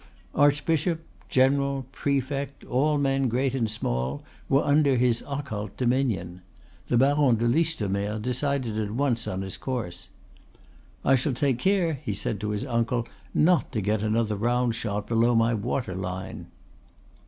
Archbishop, general, prefect, all men, great and small, were under his occult dominion. The Baron de Listomere decided at once on his course. "I shall take care," he said to his uncle, "not to get another round shot below my water line."